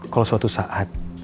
kalau suatu saat